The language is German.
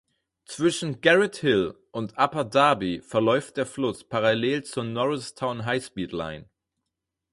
Zwischen Garrett Hill und Upper Darby verläuft der Fluss parallel zur Norristown High-Speed Line.